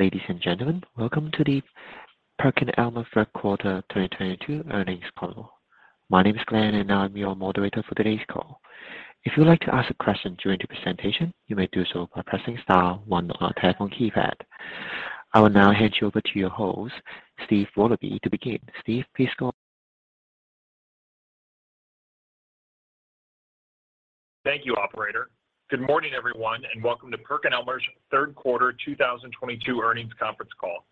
Ladies and gentlemen, welcome to the PerkinElmer Q3 2022 Earnings Call. My name is Glenn, and I'm your moderator for today's call. If you would like to ask a question during the presentation, you may do so by pressing star one on your telephone keypad. I will now hand you over to your host, Steve Willoughby, to begin. Steve, please go on. Thank you, operator. Good morning, everyone, and welcome to PerkinElmer's third quarter 2022 earnings conference call.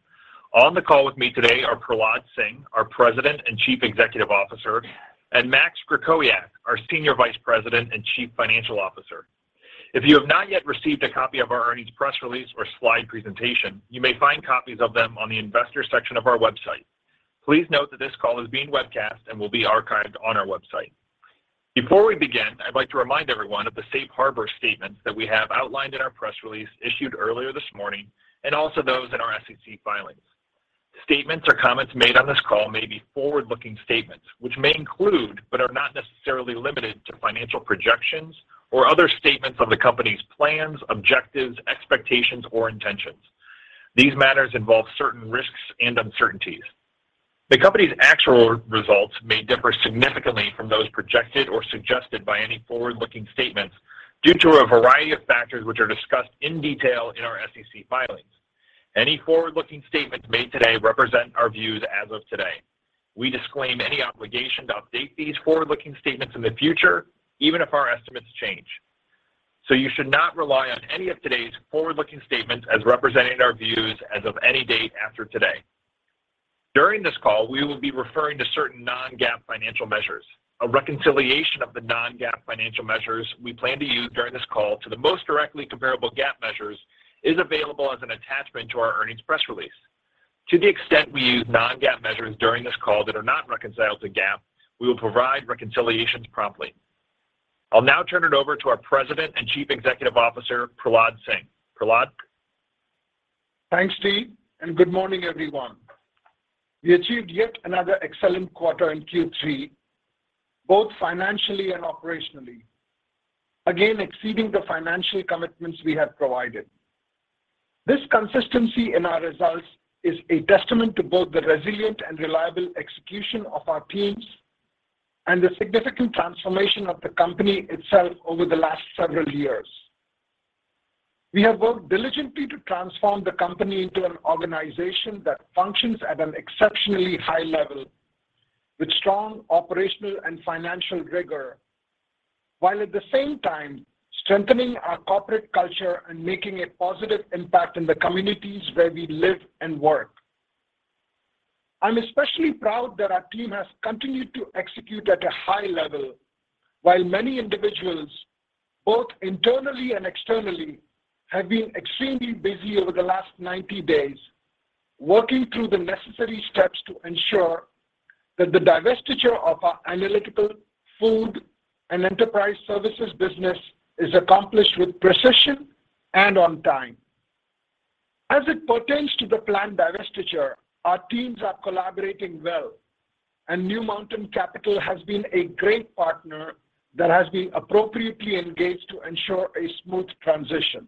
On the call with me today are Prahlad Singh, our President and Chief Executive Officer, and Max Krakowiak, our Senior Vice President and Chief Financial Officer. If you have not yet received a copy of our earnings press release or slide presentation, you may find copies of them on the investor section of our website. Please note that this call is being webcast and will be archived on our website. Before we begin, I'd like to remind everyone of the safe harbor statements that we have outlined in our press release issued earlier this morning, and also those in our SEC filings. Statements or comments made on this call may be forward-looking statements, which may include, but are not necessarily limited to financial projections or other statements of the company's plans, objectives, expectations, or intentions. These matters involve certain risks and uncertainties. The company's actual results may differ significantly from those projected or suggested by any forward-looking statements due to a variety of factors which are discussed in detail in our SEC filings. Any forward-looking statements made today represent our views as of today. We disclaim any obligation to update these forward-looking statements in the future, even if our estimates change. You should not rely on any of today's forward-looking statements as representing our views as of any date after today. During this call, we will be referring to certain non-GAAP financial measures. A reconciliation of the non-GAAP financial measures we plan to use during this call to the most directly comparable GAAP measures is available as an attachment to our earnings press release. To the extent we use non-GAAP measures during this call that are not reconciled to GAAP, we will provide reconciliations promptly. I'll now turn it over to our President and Chief Executive Officer, Prahlad Singh. Prahlad? Thanks, Steve, and good morning, everyone. We achieved yet another excellent quarter in Q3, both financially and operationally, again, exceeding the financial commitments we have provided. This consistency in our results is a testament to both the resilient and reliable execution of our teams and the significant transformation of the company itself over the last several years. We have worked diligently to transform the company into an organization that functions at an exceptionally high level with strong operational and financial rigor, while at the same time strengthening our corporate culture and making a positive impact in the communities where we live and work. I'm especially proud that our team has continued to execute at a high level, while many individuals, both internally and externally, have been extremely busy over the last 90 days, working through the necessary steps to ensure that the divestiture of our analytical food and enterprise services business is accomplished with precision and on time. As it pertains to the planned divestiture, our teams are collaborating well, and New Mountain Capital has been a great partner that has been appropriately engaged to ensure a smooth transition.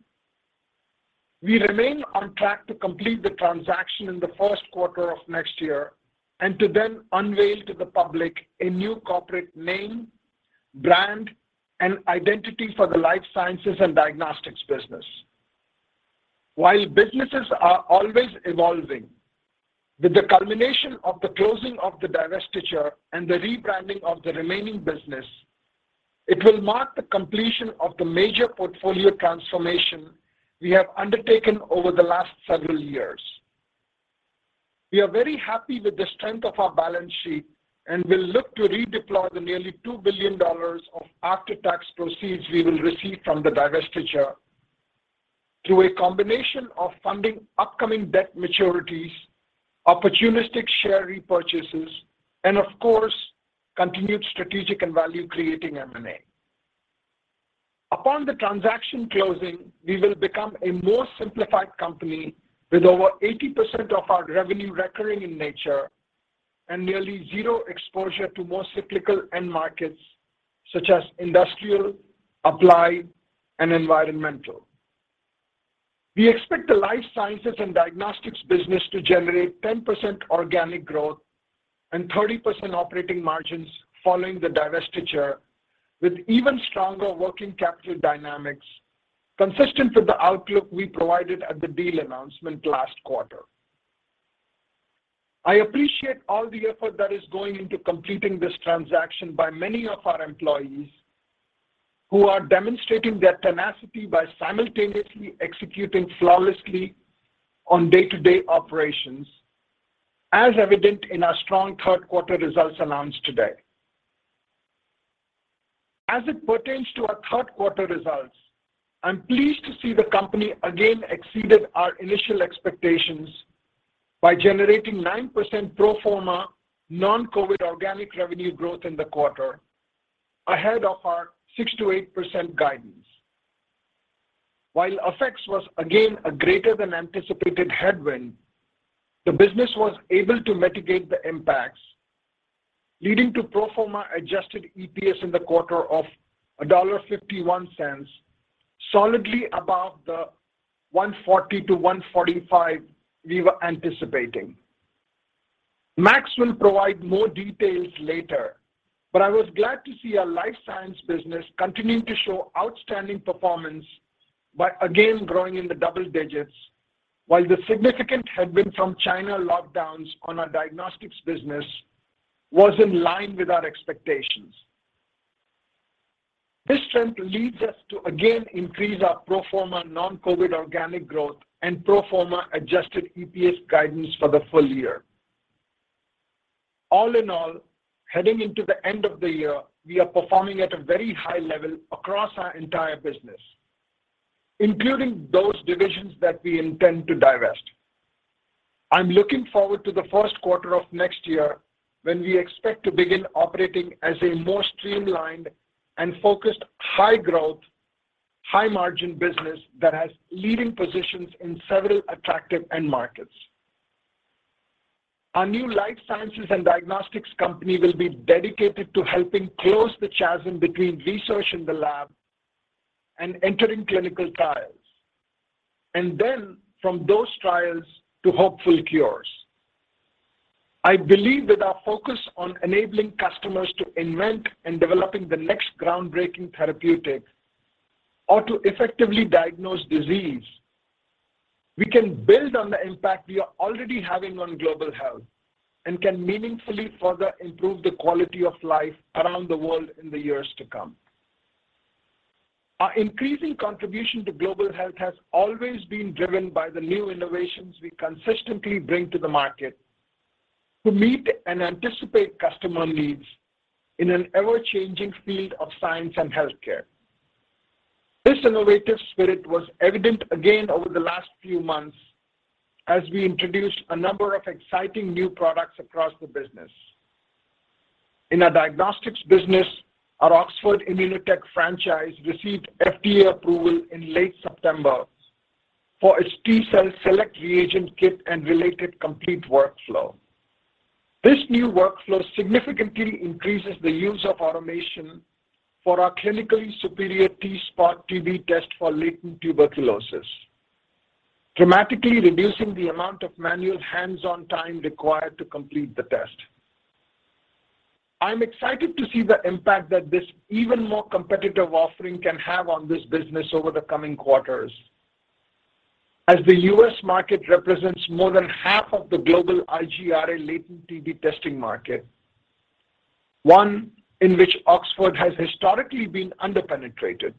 We remain on track to complete the transaction in the first quarter of next year and to then unveil to the public a new corporate name, brand, and identity for the Life Sciences and Diagnostics business. While businesses are always evolving, with the culmination of the closing of the divestiture and the rebranding of the remaining business, it will mark the completion of the major portfolio transformation we have undertaken over the last several years. We are very happy with the strength of our balance sheet and will look to redeploy the nearly $2 billion of after-tax proceeds we will receive from the divestiture through a combination of funding upcoming debt maturities, opportunistic share repurchases, and of course, continued strategic and value creating M&A. Upon the transaction closing, we will become a more simplified company with over 80% of our revenue recurring in nature and nearly zero exposure to more cyclical end markets such as industrial, applied, and environmental. We expect the life sciences and diagnostics business to generate 10% organic growth and 30% operating margins following the divestiture with even stronger working capital dynamics consistent with the outlook we provided at the deal announcement last quarter. I appreciate all the effort that is going into completing this transaction by many of our employees who are demonstrating their tenacity by simultaneously executing flawlessly on day-to-day operations, as evident in our strong third quarter results announced today. It pertains to our third quarter results. I'm pleased to see the company again exceeded our initial expectations by generating 9% pro forma non-COVID organic revenue growth in the quarter, ahead of our 6%-8% guidance. FX effects was again a greater than anticipated headwind, the business was able to mitigate the impacts. Leading to pro forma adjusted EPS in the quarter of $1.51, solidly above the $1.40-$1.45 we were anticipating. Max will provide more details later, but I was glad to see our life science business continuing to show outstanding performance by again growing in the double digits, while the significant headwind from China lockdowns on our diagnostics business was in line with our expectations. This trend leads us to again increase our pro forma non-COVID organic growth and pro forma adjusted EPS guidance for the full year. All in all, heading into the end of the year, we are performing at a very high level across our entire business, including those divisions that we intend to divest. I'm looking forward to the first quarter of next year when we expect to begin operating as a more streamlined and focused high-growth, high-margin business that has leading positions in several attractive end markets. Our new life sciences and diagnostics company will be dedicated to helping close the chasm between research in the lab and entering clinical trials, and then from those trials to hopeful cures. I believe with our focus on enabling customers to invent and developing the next groundbreaking therapeutic or to effectively diagnose disease, we can build on the impact we are already having on global health and can meaningfully further improve the quality of life around the world in the years to come. Our increasing contribution to global health has always been driven by the new innovations we consistently bring to the market to meet and anticipate customer needs in an ever-changing field of science and healthcare. This innovative spirit was evident again over the last few months as we introduced a number of exciting new products across the business. In our diagnostics business, our Oxford Immunotec franchise received FDA approval in late September for its T-Cell Select reagent kit and related complete workflow. This new workflow significantly increases the use of automation for our clinically superior T-SPOT.TB test for latent tuberculosis, dramatically reducing the amount of manual hands-on time required to complete the test. I'm excited to see the impact that this even more competitive offering can have on this business over the coming quarters. As the US market represents more than half of the global IGRA latent TB testing market, one in which Oxford has historically been under-penetrated.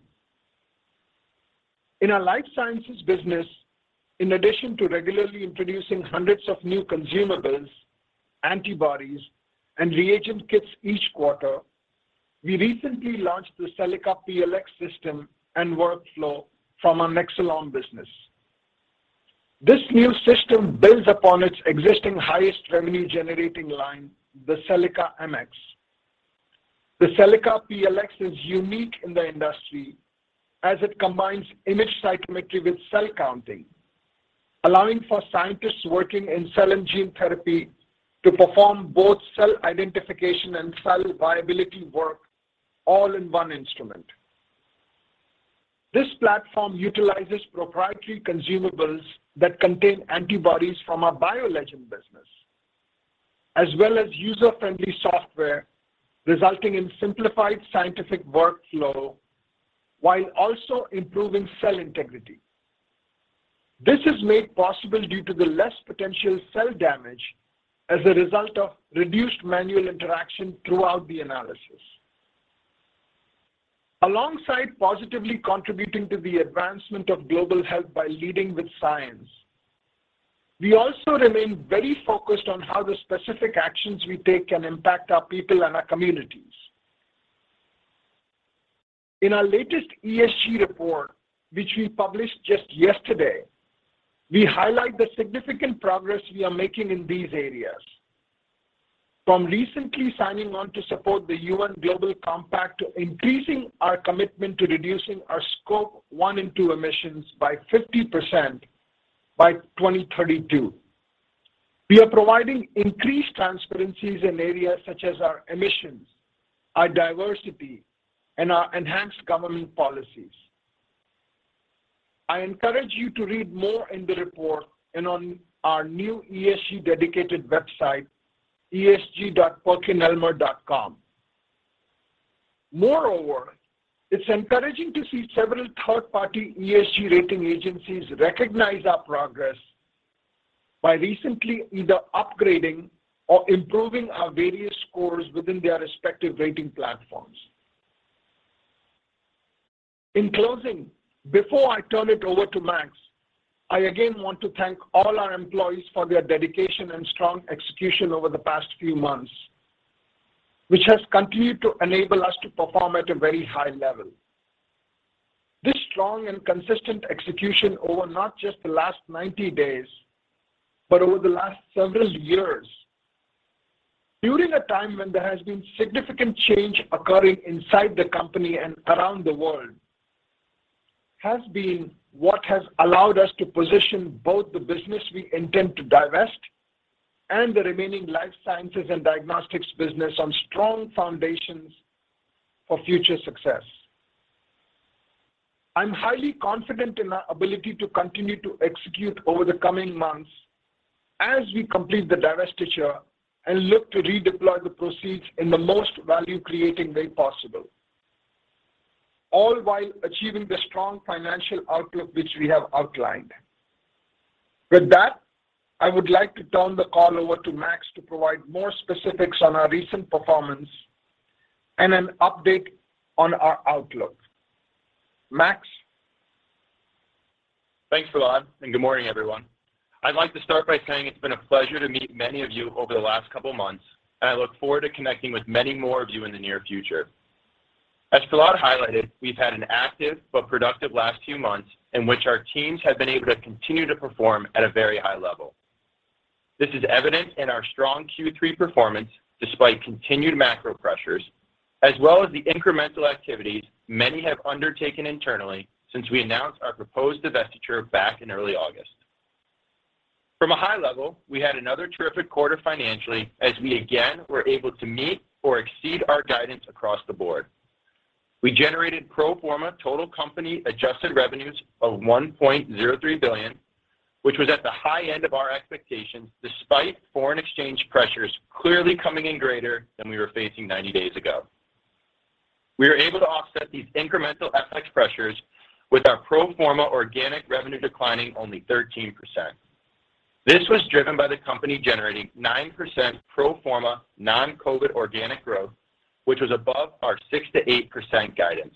In our life sciences business, in addition to regularly introducing hundreds of new consumables, antibodies, and reagent kits each quarter, we recently launched the Cellaca PLX system and workflow from our Nexcelom business. This new system builds upon its existing highest revenue-generating line, the Cellaca MX. The Cellaca PLX is unique in the industry as it combines imaging cytometry with cell counting, allowing for scientists working in cell and gene therapy to perform both cell identification and cell viability work all in one instrument. This platform utilizes proprietary consumables that contain antibodies from our BioLegend business, as well as user-friendly software, resulting in simplified scientific workflow while also improving cell integrity. This is made possible due to the less potential cell damage as a result of reduced manual interaction throughout the analysis. Alongside positively contributing to the advancement of global health by leading with science, we also remain very focused on how the specific actions we take can impact our people and our communities. In our latest ESG report, which we published just yesterday, we highlight the significant progress we are making in these areas. From recently signing on to support the UN Global Compact to increasing our commitment to reducing our Scope 1 and 2 emissions by 50% by 2032. We are providing increased transparencies in areas such as our emissions, our diversity, and our enhanced government policies. I encourage you to read more in the report and on our new ESG-dedicated website, esg.perkinelmer.com. Moreover, it's encouraging to see several third-party ESG rating agencies recognize our progress by recently either upgrading or improving our various scores within their respective rating platforms. In closing, before I turn it over to Max, I again want to thank all our employees for their dedication and strong execution over the past few months, which has continued to enable us to perform at a very high level. This strong and consistent execution over not just the last 90 days, but over the last several years, during a time when there has been significant change occurring inside the company and around the world has been what has allowed us to position both the business we intend to divest and the remaining life sciences and diagnostics business on strong foundations for future success. I'm highly confident in our ability to continue to execute over the coming months as we complete the divestiture and look to redeploy the proceeds in the most value creating way possible, all while achieving the strong financial outlook which we have outlined. With that, I would like to turn the call over to Max to provide more specifics on our recent performance and an update on our outlook. Max? Thanks, Prahlad, and good morning, everyone. I'd like to start by saying it's been a pleasure to meet many of you over the last couple of months, and I look forward to connecting with many more of you in the near future. As Prahlad highlighted, we've had an active but productive last few months in which our teams have been able to continue to perform at a very high level. This is evident in our strong Q3 performance despite continued macro pressures, as well as the incremental activities many have undertaken internally since we announced our proposed divestiture back in early August. From a high level, we had another terrific quarter financially as we again were able to meet or exceed our guidance across the board. We generated pro forma total company adjusted revenues of $1.03 billion, which was at the high end of our expectations despite foreign exchange pressures clearly coming in greater than we were facing 90 days ago. We were able to offset these incremental FX pressures with our pro forma organic revenue declining only 13%. This was driven by the company generating 9% pro forma non-COVID organic growth, which was above our 6%-8% guidance.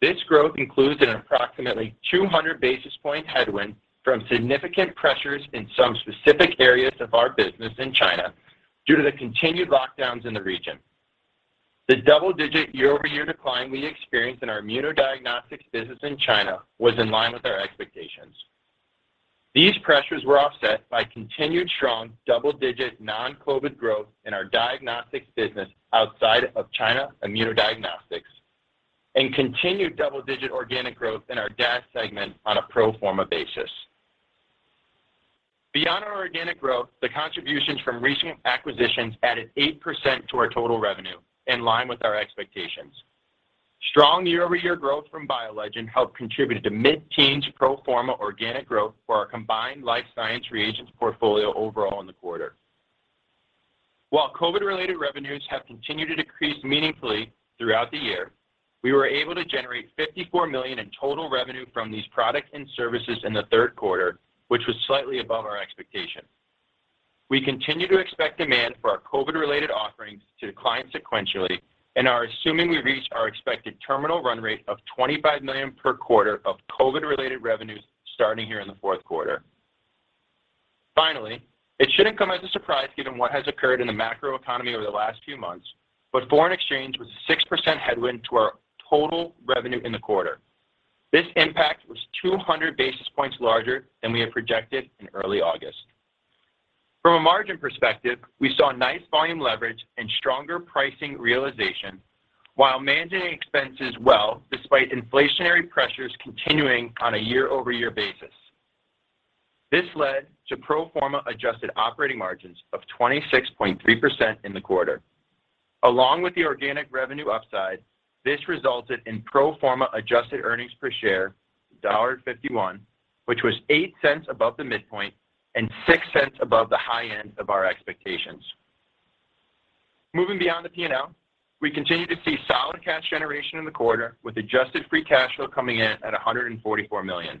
This growth includes an approximately 200 basis point headwind from significant pressures in some specific areas of our business in China due to the continued lockdowns in the region. The double-digit year-over-year decline we experienced in our immunodiagnostics business in China was in line with our expectations. These pressures were offset by continued strong double-digit non-COVID growth in our diagnostics business outside of China ImmunoDx and continued double-digit organic growth in our DAS segment on a pro forma basis. Beyond our organic growth, the contributions from recent acquisitions added 8% to our total revenue, in line with our expectations. Strong year-over-year growth from BioLegend helped contribute to mid-teens pro forma organic growth for our combined life science reagents portfolio overall in the quarter. While COVID-related revenues have continued to decrease meaningfully throughout the year, we were able to generate $54 million in total revenue from these products and services in the third quarter, which was slightly above our expectation. We continue to expect demand for our COVID-related offerings to decline sequentially and are assuming we reach our expected terminal run rate of $25 million per quarter of COVID-related revenues starting here in the Q4. Finally, it shouldn't come as a surprise given what has occurred in the macro economy over the last few months, but foreign exchange was a 6% headwind to our total revenue in the quarter. This impact was 200 basis points larger than we had projected in early August. From a margin perspective, we saw nice volume leverage and stronger pricing realization while managing expenses well despite inflationary pressures continuing on a year-over-year basis. This led to pro forma adjusted operating margins of 26.3% in the quarter. Along with the organic revenue upside, this resulted in pro forma adjusted earnings per share of $1.51, which was 8 cents above the midpoint and 6 cents above the high end of our expectations. Moving beyond the P&L, we continue to see solid cash generation in the quarter with adjusted free cash flow coming in at $144 million.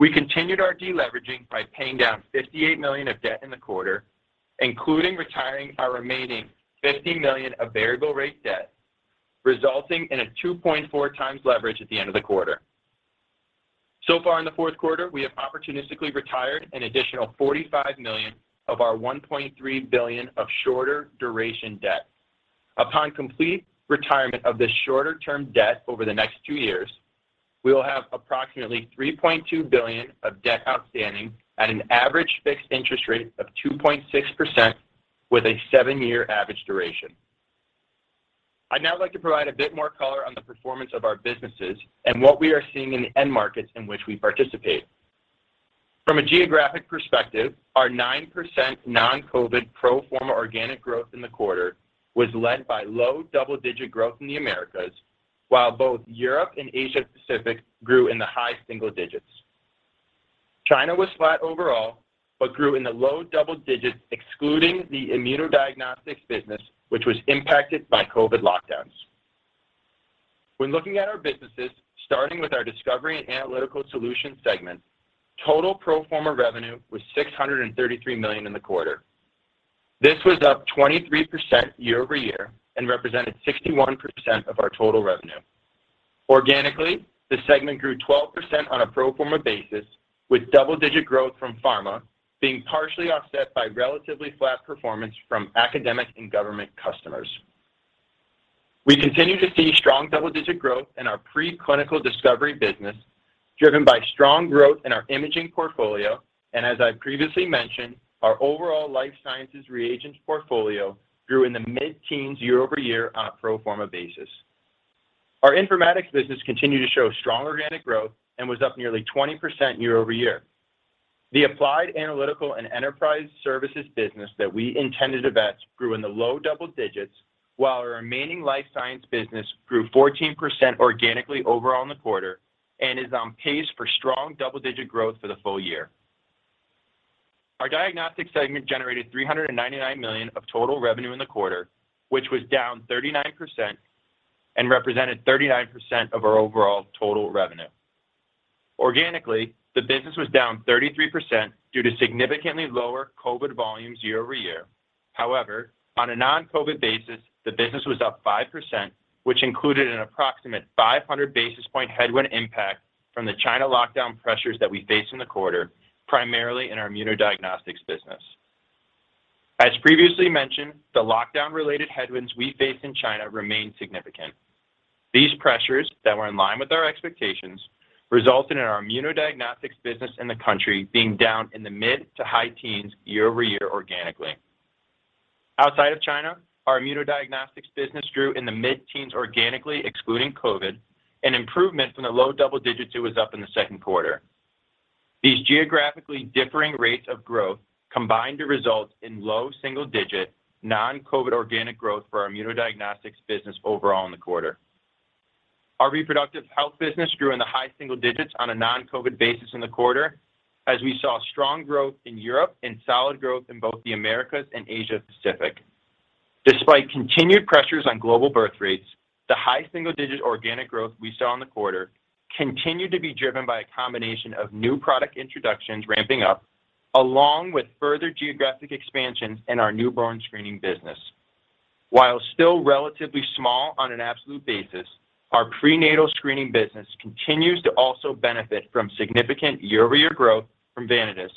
We continued our deleveraging by paying down $58 million of debt in the quarter, including retiring our remaining $50 million of variable rate debt, resulting in a 2.4x leverage at the end of the quarter. Far in the Q4, we have opportunistically retired an additional $45 million of our $1.3 billion of shorter duration debt. Upon complete retirement of this shorter-term debt over the next two years, we will have approximately $3.2 billion of debt outstanding at an average fixed interest rate of 2.6% with a 7-year average duration. I'd now like to provide a bit more color on the performance of our businesses and what we are seeing in the end markets in which we participate. From a geographic perspective, our 9% non-COVID pro forma organic growth in the quarter was led by low double-digit growth in the Americas, while both Europe and Asia Pacific grew in the high single digits. China was flat overall, but grew in the low double digits, excluding the immunodiagnostics business, which was impacted by COVID lockdowns. When looking at our businesses, starting with our Discovery and Analytical Solutions segment, total pro forma revenue was $633 million in the quarter. This was up 23% year-over-year and represented 61% of our total revenue. Organically, the segment grew 12% on a pro forma basis, with double-digit growth from pharma being partially offset by relatively flat performance from academic and government customers. We continue to see strong double-digit growth in our preclinical discovery business. Driven by strong growth in our imaging portfolio, and as I previously mentioned, our overall life sciences reagents portfolio grew in the mid-teens year-over-year on a pro forma basis. Our informatics business continued to show strong organic growth and was up nearly 20% year-over-year. The applied analytical and enterprise services business that we intended to vet grew in the low double digits, while our remaining life science business grew 14% organically overall in the quarter and is on pace for strong double-digit growth for the full year. Our diagnostics segment generated $399 million of total revenue in the quarter, which was down 39% and represented 39% of our overall total revenue. Organically, the business was down 33% due to significantly lower COVID volumes year-over-year. However, on a non-COVID basis, the business was up 5%, which included an approximate 500 basis point headwind impact from the China lockdown pressures that we faced in the quarter, primarily in our immunodiagnostics business. As previously mentioned, the lockdown-related headwinds we faced in China remain significant. These pressures that were in line with our expectations resulted in our immunodiagnostics business in the country being down in the mid- to high-teens year-over-year organically. Outside of China, our immunodiagnostics business grew in the mid-teens organically, excluding COVID, an improvement from the low double digits it was up in the second quarter. These geographically differing rates of growth combined to result in low single-digit non-COVID organic growth for our immunodiagnostics business overall in the quarter. Our reproductive health business grew in the high single digits on a non-COVID basis in the quarter as we saw strong growth in Europe and solid growth in both the Americas and Asia Pacific. Despite continued pressures on global birth rates, the high single-digit organic growth we saw in the quarter continued to be driven by a combination of new product introductions ramping up along with further geographic expansion in our newborn screening business. While still relatively small on an absolute basis, our prenatal screening business continues to also benefit from significant year-over-year growth from Vanadis,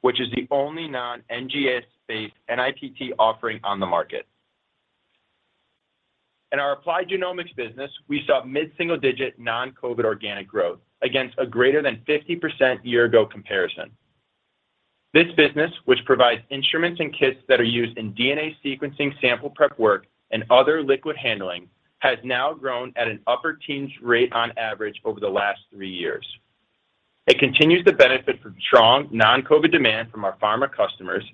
which is the only non-NGS-based NIPT offering on the market. In our applied genomics business, we saw mid-single-digit non-COVID organic growth against a greater than 50% year-ago comparison. This business, which provides instruments and kits that are used in DNA sequencing, sample prep work, and other liquid handling, has now grown at an upper teens rate on average over the last three years. It continues to benefit from strong non-COVID demand from our pharma customers,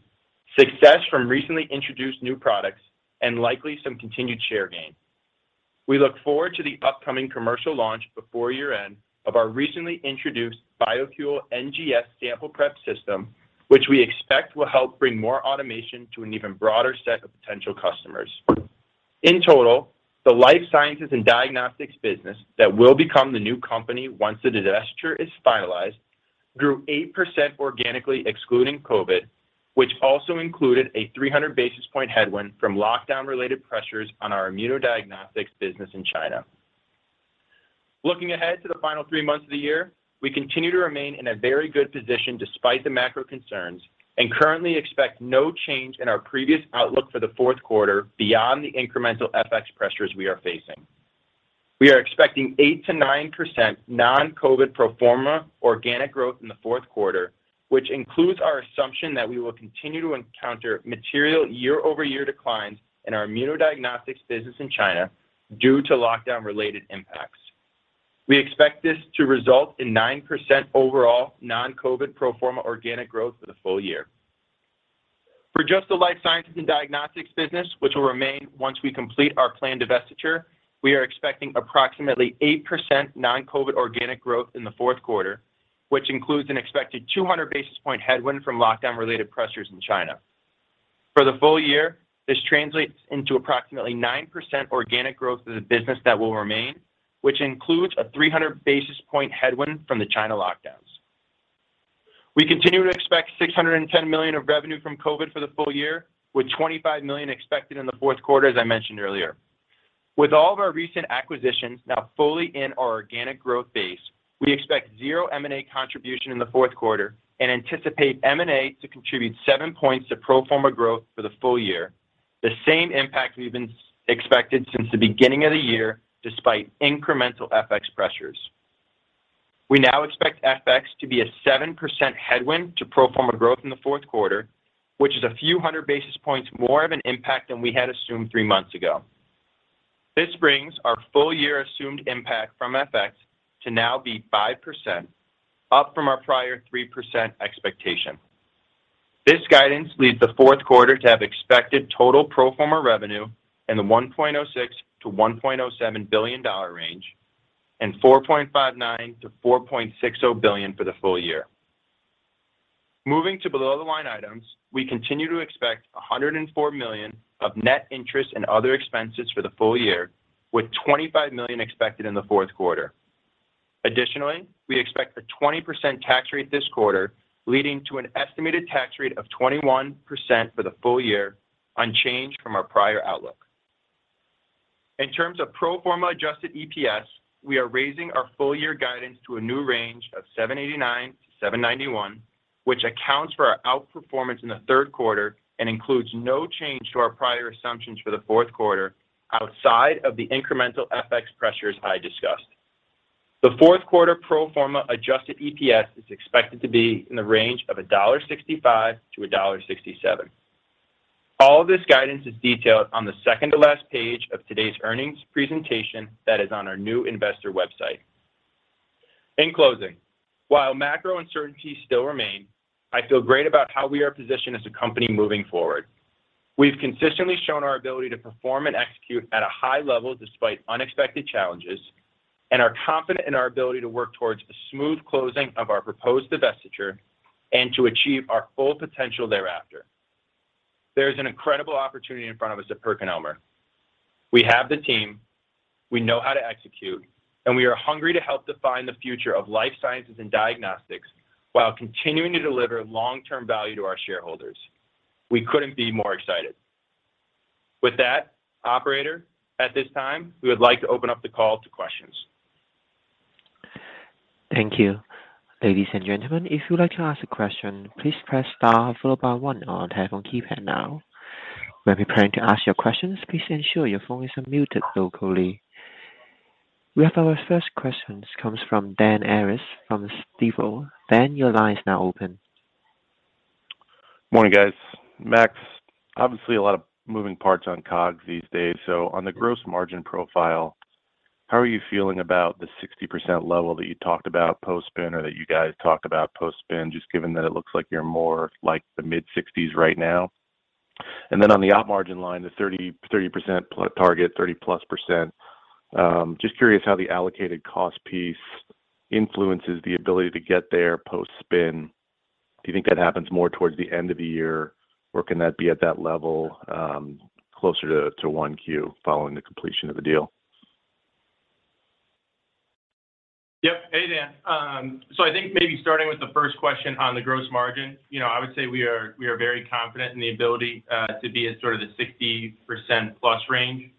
success from recently introduced new products, and likely some continued share gain. We look forward to the upcoming commercial launch before year-end of our recently introduced Fontus NGS sample prep system, which we expect will help bring more automation to an even broader set of potential customers. In total, the life sciences and diagnostics business that will become the new company once the divestiture is finalized grew 8% organically excluding COVID, which also included a 300 basis points headwind from lockdown-related pressures on our immunodiagnostics business in China. Looking ahead to the final three months of the year, we continue to remain in a very good position despite the macro concerns and currently expect no change in our previous outlook for the Q4 beyond the incremental FX pressures we are facing. We are expecting 8%-9% non-COVID pro forma organic growth in the Q4, which includes our assumption that we will continue to encounter material year-over-year declines in our immunodiagnostics business in China due to lockdown-related impacts. We expect this to result in 9% overall non-COVID pro forma organic growth for the full year. For just the life sciences and diagnostics business, which will remain once we complete our planned divestiture, we are expecting approximately 8% non-COVID organic growth in the Q4, which includes an expected 200 basis point headwind from lockdown-related pressures in China. For the full year, this translates into approximately 9% organic growth for the business that will remain, which includes a 300 basis point headwind from the China lockdowns. We continue to expect $610 million of revenue from COVID for the full year, with $25 million expected in the Q4, as I mentioned earlier. With all of our recent acquisitions now fully in our organic growth base, we expect zero M&A contribution in the Q4 and anticipate M&A to contribute 7 points to pro forma growth for the full year, the same impact we've been expected since the beginning of the year, despite incremental FX pressures. We now expect FX to be a 7% headwind to pro forma growth in the Q4, which is a few hundred basis points more of an impact than we had assumed three months ago. This brings our full-year assumed impact from FX to now be 5%, up from our prior 3% expectation. This guidance leads the Q4 to have expected total pro forma revenue in the $1.06-$1.07 billion range and $4.59-$4.60 billion for the full year. Moving to below-the-line items, we continue to expect $104 million of net interest and other expenses for the full year, with $25 million expected in the Q4. Additionally, we expect a 20% tax rate this quarter, leading to an estimated tax rate of 21% for the full year, unchanged from our prior outlook. In terms of pro forma adjusted EPS, we are raising our full-year guidance to a new range of $7.89-$7.91. Which accounts for our outperformance in the third quarter and includes no change to our prior assumptions for the Q4 outside of the incremental FX pressures I discussed. The Q4 pro forma adjusted EPS is expected to be in the range of $1.65-$1.67. All this guidance is detailed on the second-to-last page of today's earnings presentation that is on our new investor website. In closing, while macro uncertainties still remain, I feel great about how we are positioned as a company moving forward. We've consistently shown our ability to perform and execute at a high level despite unexpected challenges and are confident in our ability to work towards a smooth closing of our proposed divestiture and to achieve our full potential thereafter. There is an incredible opportunity in front of us at PerkinElmer. We have the team, we know how to execute, and we are hungry to help define the future of life sciences and diagnostics while continuing to deliver long-term value to our shareholders. We couldn't be more excited. With that, operator, at this time, we would like to open up the call to questions. Thank you. Ladies and gentlemen, if you'd like to ask a question, please press star followed by one on your telephone keypad now. When preparing to ask your questions, please ensure your phone is unmuted locally. We have our first question. This comes from Dan Arias from Stifel. Dan, your line is now open. Morning, guys. Max, obviously a lot of moving parts on COGS these days. On the gross margin profile, how are you feeling about the 60% level that you talked about post-spin or that you guys talked about post-spin, just given that it looks like you're more like the mid-60s right now? On the op margin line, the 30% plus target, 30%+. Just curious how the allocated cost piece influences the ability to get there post-spin. Do you think that happens more towards the end of the year? Or can that be at that level closer to 1Q following the completion of the deal? Yeah. Hey, Dan. I think maybe starting with the first question on the gross margin. You know, I would say we are very confident in the ability to be at sort of the 60%+ range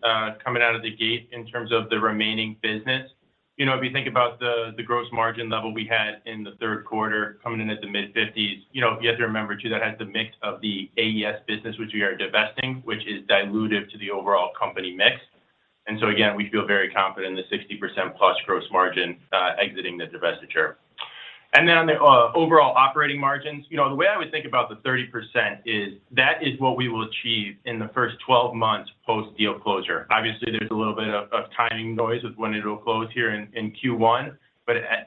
coming out of the gate in terms of the remaining business. You know, if you think about the gross margin level we had in the third quarter coming in at the mid-50s%. You know, you have to remember, too, that has the mix of the AES business, which we are divesting, which is dilutive to the overall company mix. Again, we feel very confident in the 60%+ gross margin exiting the divestiture. Then on the overall operating margins. You know, the way I would think about the 30% is that is what we will achieve in the first 12 months post-deal closure. Obviously, there's a little bit of timing noise with when it'll close here in Q1.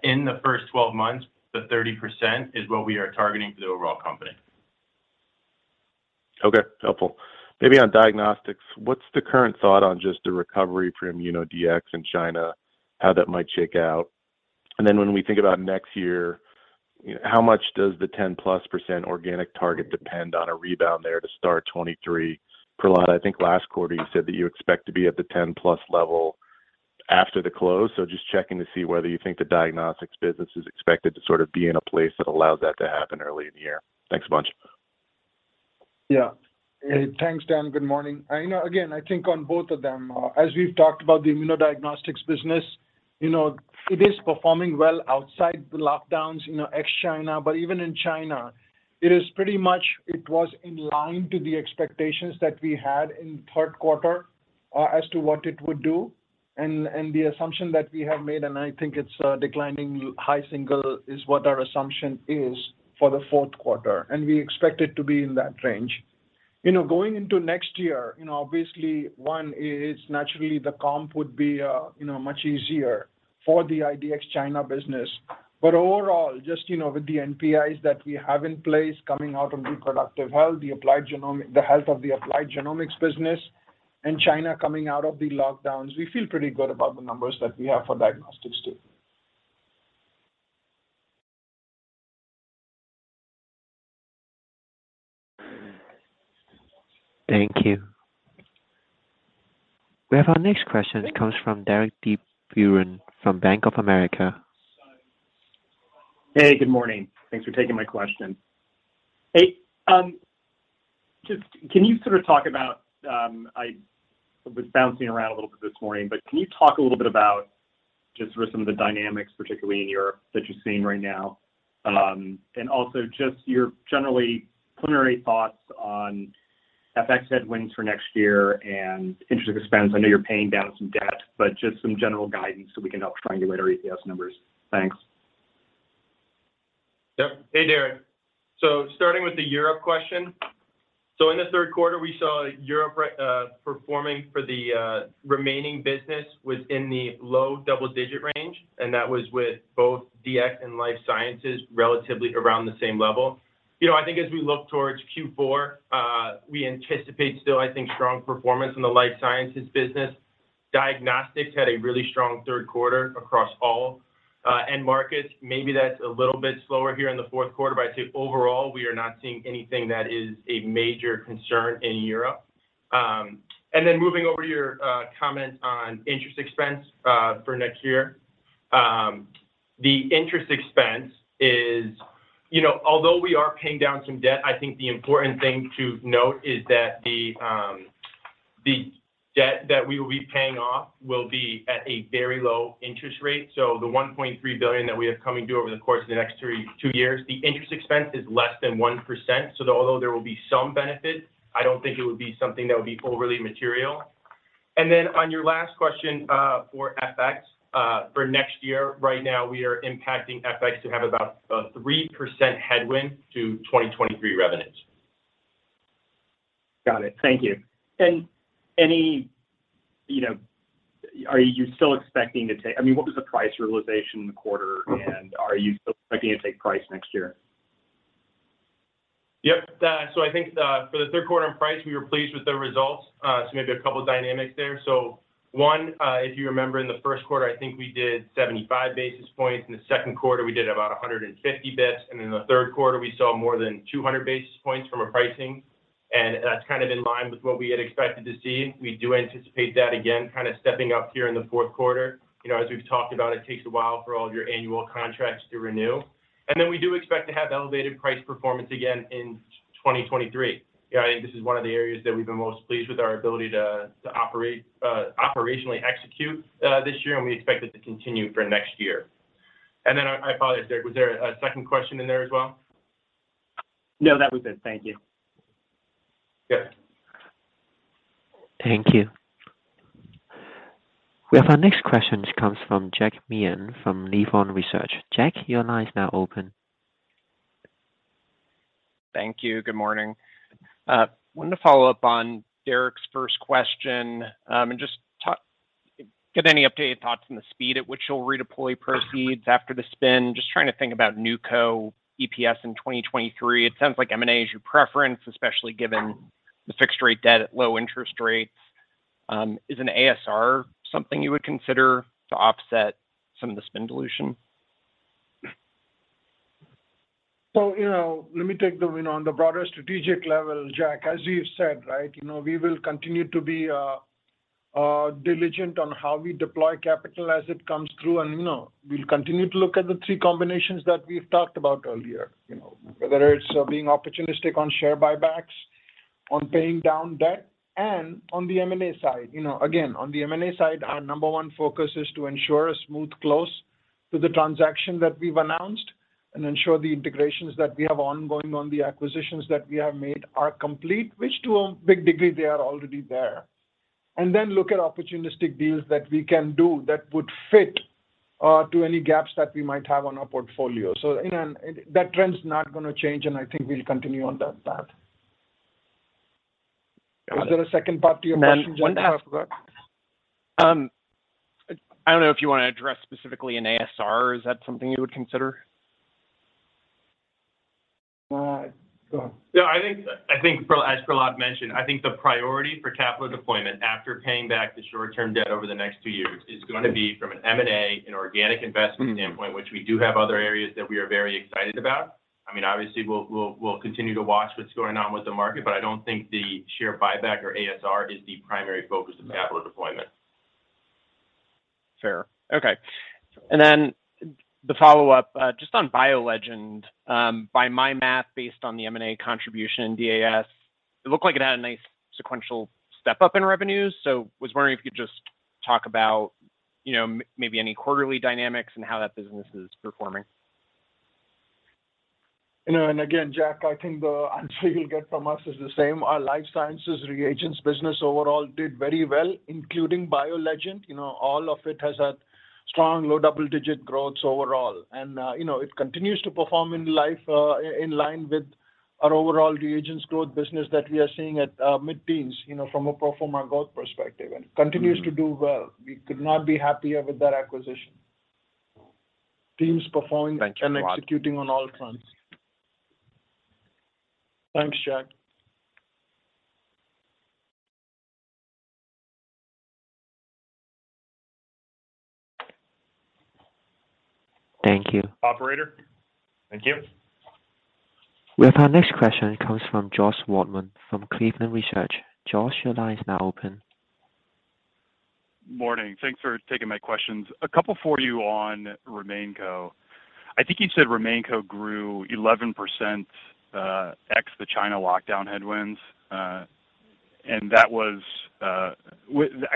In the first 12 months, the 30% is what we are targeting for the overall company. Okay. Helpful. Maybe on diagnostics, what's the current thought on just the recovery for ImmunoDx in China, how that might shake out? When we think about next year, how much does the 10%+ organic target depend on a rebound there to start 2023? Prahlad, I think last quarter you said that you expect to be at the 10%+ level after the close. Just checking to see whether you think the diagnostics business is expected to sort of be in a place that allows that to happen early in the year. Thanks a bunch. Yeah. Thanks, Dan. Good morning. You know, again, I think on both of them, as we've talked about the ImmunoDx business, you know, it is performing well outside the lockdowns, you know, ex-China. But even in China, it was in line with the expectations that we had in third quarter, as to what it would do. The assumption that we have made, and I think it's declining high single is what our assumption is for the Q4, and we expect it to be in that range. You know, going into next year, you know, obviously one is naturally the comp would be, you know, much easier for the ImmunoDx China business. Overall, just, you know, with the NPIs that we have in place coming out of reproductive health, the health of the applied genomics business and China coming out of the lockdowns. We feel pretty good about the numbers that we have for diagnostics too. Thank you. We have our next question comes from Derik De Bruin from Bank of America. Hey, good morning. Thanks for taking my question. Hey, just can you sort of talk about... I was bouncing around a little bit this morning, but can you talk a little bit about just sort of some of the dynamics, particularly in Europe that you're seeing right now? And also just your generally preliminary thoughts on FX headwinds for next year and interest expense. I know you're paying down some debt, but just some general guidance so we can help triangulate our EPS numbers. Thanks. Yep. Hey, Derek. So, starting with the Europe question. So, in this third quarter, we saw Europe, performing for the remaining business within the low double-digit range, and that was with both DX and Life Sciences relatively around the same level You know, I think as we look towards Q4, we anticipate still, I think, strong performance in the Life Sciences business. Diagnostics had a really strong third quarter across all end markets. Maybe that's a little bit slower here in the Q4, but I'd say overall, we are not seeing anything that is a major concern in Europe. And then moving over to your comment on interest expense for next year. The interest expense is. You know, although we are paying down some debt, I think the important thing to note is that the debt that we will be paying off will be at a very low interest rate. So the $1.3 billion that we have coming due over the course of the next two years, the interest expense is less than 1%. Although there will be some benefit, I don't think it would be something that would be overly material. On your last question, for FX, for next year, right now we are expecting FX to have about a 3% headwind to 2023 revenues. Got it. Thank you. You know, I mean, what was the price realization in the quarter, and are you still expecting to take price next year? Yep. I think, for the third quarter on price, we were pleased with the results. Maybe a couple of dynamics there. One, if you remember in the first quarter, I think we did 75 basis points. In the second quarter, we did about 150 basis points, and in the third quarter, we saw more than 200 basis points from pricing. That's kind of in line with what we had expected to see. We do anticipate that again, kind of stepping up here in the Q4. You know, as we've talked about, it takes a while for all of your annual contracts to renew. Then we do expect to have elevated price performance again in 2023. Yeah, I think this is one of the areas that we've been most pleased with our ability to operate operationally execute this year, and we expect it to continue for next year. I apologize, Derik, was there a second question in there as well? No, that was it. Thank you. Yes. Thank you. We have our next question comes from Jack Meehan from Nephron Research. Jack, your line is now open. Thank you. Good morning. Wanted to follow up on Derik's first question, and just get any updated thoughts on the speed at which you'll redeploy proceeds after the spin. Just trying to think about NewCo EPS in 2023. It sounds like M&A is your preference, especially given the fixed rate debt at low interest rates. Is an ASR something you would consider to offset some of the spin dilution? You know, let me take the win on the broader strategic level, Jack. As you've said, right, you know, we will continue to be diligent on how we deploy capital as it comes through. You know, we'll continue to look at the three combinations that we've talked about earlier. You know, whether it's being opportunistic on share buybacks, on paying down debt, and on the M&A side. You know, again, on the M&A side, our number one focus is to ensure a smooth close to the transaction that we've announced and ensure the integrations that we have ongoing on the acquisitions that we have made are complete, which to a big degree, they are already there. Then look at opportunistic deals that we can do that would fit into any gaps that we might have on our portfolio. That trend's not gonna change, and I think we'll continue on that path. Was there a second part to your question, Jack, I forgot? I don't know if you wanna address specifically an ASR. Is that something you would consider? Go on. Yeah, I think as Prahlad mentioned, I think the priority for capital deployment after paying back the short-term debt over the next two years is gonna be from an M&A and organic investment standpoint, which we do have other areas that we are very excited about. I mean, obviously, we'll continue to watch what's going on with the market, but I don't think the share buyback or ASR is the primary focus of capital deployment. Fair. Okay. Then the follow-up, just on BioLegend. By my math, based on the M&A contribution in DAS, it looked like it had a nice sequential step-up in revenues. Was wondering if you could just talk about, you know, maybe any quarterly dynamics and how that business is performing. You know, again, Jack, I think the answer you'll get from us is the same. Our Life Sciences reagents business overall did very well, including BioLegend. You know, all of it has had strong low double-digit growth overall. It continues to perform in line with our overall reagents growth business that we are seeing at mid-teens, you know, from a pro forma growth perspective. Continues to do well. We could not be happier with that acquisition. Teams performing. Thank you, Prahlad. Executing on all fronts. Thanks, Jack. Thank you. Thank you. We have our next question comes from Josh Waldman from Cleveland Research. Josh, your line is now open. Morning. Thanks for taking my questions. A couple for you on RemainCo. I think you said RemainCo grew 11%, ex the China lockdown headwinds. I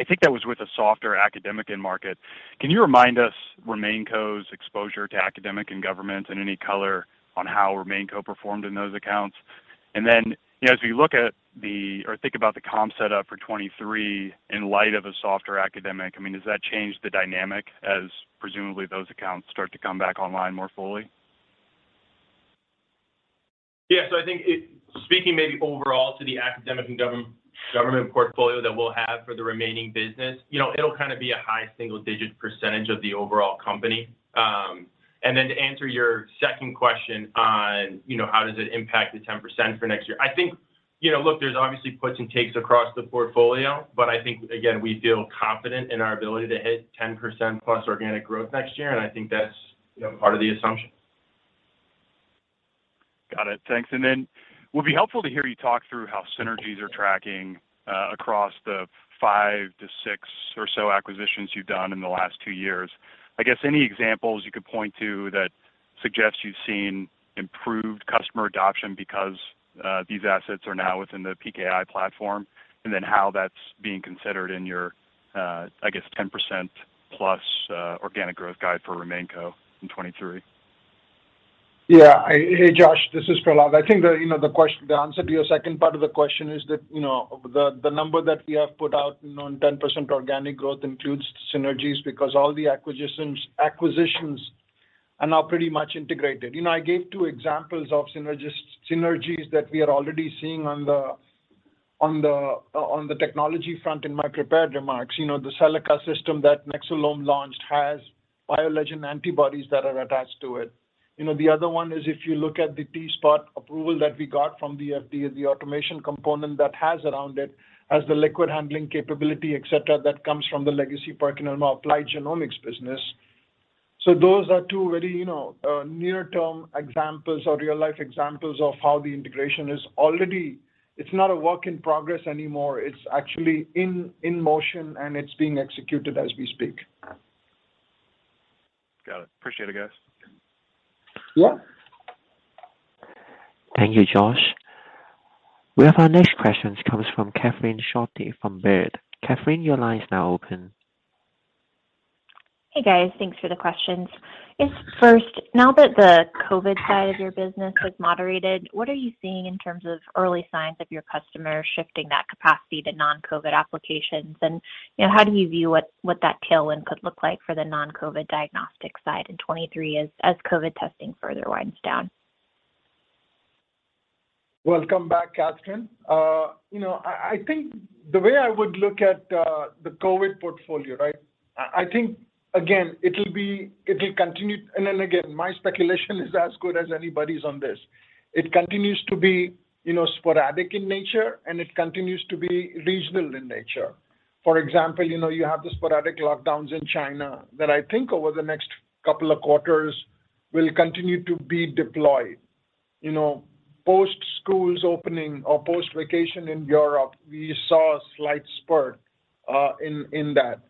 think that was with a softer academic end market. Can you remind us RemainCo's exposure to academic and government and any color on how RemainCo performed in those accounts? You know, as we look or think about the comp set up for 2023 in light of a softer academic, I mean, does that change the dynamic as presumably those accounts start to come back online more fully? Yeah. I think it. Speaking maybe overall to the academic and government portfolio that we'll have for the remaining business, you know, it'll kind of be a high single-digit percentage of the overall company. And then to answer your second question on, you know, how does it impact the 10% for next year, I think, you know, look, there's obviously puts and takes across the portfolio, but I think again, we feel confident in our ability to hit 10% plus organic growth next year, and I think that's, you know, part of the assumption. Got it. Thanks. Would be helpful to hear you talk through how synergies are tracking across the 5-6 or so acquisitions you've done in the last 2 years. I guess any examples you could point to that suggests you've seen improved customer adoption because these assets are now within the PKI platform, and then how that's being considered in your, I guess 10%+ organic growth guidance for RemainCo in 2023. Yeah. Hey, Josh, this is Prahlad. I think the answer to your second part of the question is that, you know, the number that we have put out on 10% organic growth includes synergies because all the acquisitions are now pretty much integrated. You know, I gave two examples of synergies that we are already seeing on the technology front in my prepared remarks. You know, the Cellaca system that Nexcelom launched has BioLegend antibodies that are attached to it. You know, the other one is if you look at the T-SPOT approval that we got from the FDA, the automation component that has around it has the liquid handling capability, et cetera, that comes from the legacy PerkinElmer applied genomics business. Those are two very, you know, near-term examples or real-life examples of how the integration is already. It's not a work in progress anymore, it's actually in motion, and it's being executed as we speak. Got it. Appreciate it, guys. Yeah. Thank you, Josh. We have our next question comes from Catherine Schulte from Baird. Catherine, your line is now open. Hey, guys. Thanks for the questions. First, now that the COVID side of your business has moderated, what are you seeing in terms of early signs of your customers shifting that capacity to non-COVID applications? And, you know, how do you view what that tailwind could look like for the non-COVID diagnostic side in 2023 as COVID testing further winds down? Welcome back, Catherine. You know, I think the way I would look at the COVID portfolio, right? I think again, it will continue. My speculation is as good as anybody's on this. It continues to be, you know, sporadic in nature, and it continues to be regional in nature. For example, you know, you have the sporadic lockdowns in China that I think over the next couple of quarters will continue to be deployed. You know, post schools opening or post vacation in Europe, we saw a slight spurt in that.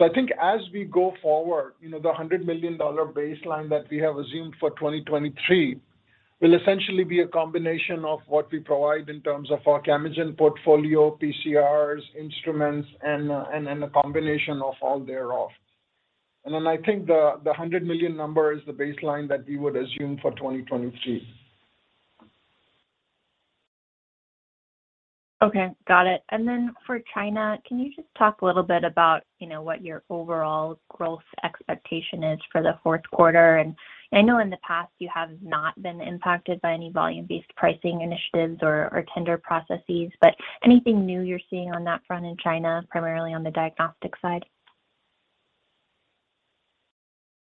I think as we go forward, you know, the $100 million baseline that we have assumed for 2023 will essentially be a combination of what we provide in terms of our chemagic portfolio, PCRs, instruments and a combination of all thereof. I think the $100 million number is the baseline that we would assume for 2023. Okay. Got it. Then for China, can you just talk a little bit about, you know, what your overall growth expectation is for the Q4? I know in the past you have not been impacted by any volume-based pricing initiatives or tender processes. Anything new you're seeing on that front in China, primarily on the diagnostic side?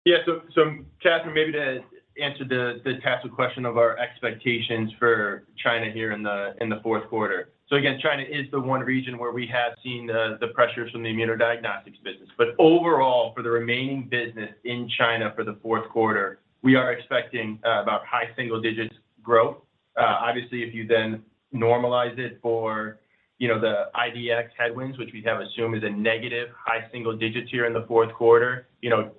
Yeah. Catherine, maybe to answer the tactical question of our expectations for China here in the Q4. Again, China is the one region where we have seen the pressures from the immunodiagnostics business. Overall, for the remaining business in China for the Q4, we are expecting about high single digits growth. Obviously, if you then normalize it for, you know, the IDX headwinds, which we have assumed is a negative high single digits here in the Q4, you know,